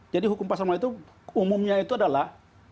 jadi hukum pasar modal itu umumnya itu adalah